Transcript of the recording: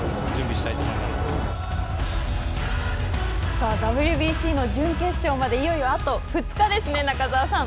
さあ、ＷＢＣの準決勝までいよいよあと２日ですね、はい。